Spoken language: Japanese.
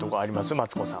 マツコさん